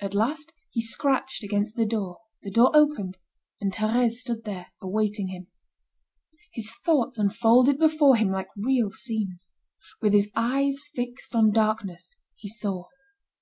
At last he scratched against the door, the door opened, and Thérèse stood there awaiting him. His thoughts unfolded before him like real scenes. With his eyes fixed on darkness, he saw.